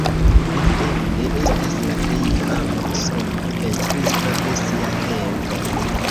Li eble estas la plej fama usona pentristo de sia tempo.